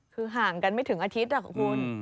คือห่างกันไม่ถึงอาทิตย์คุณ